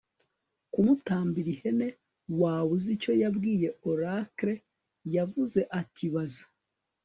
kumutambira ihene. 'waba uzi icyo yabwiye oracle? yavuze ati 'baza